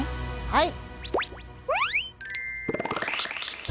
はい。